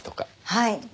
はい。